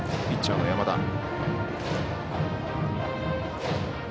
ピッチャーの山田。